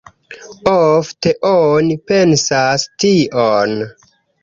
Ofte oni pensas tion.